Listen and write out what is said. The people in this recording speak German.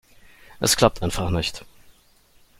Es klappt einfach nicht.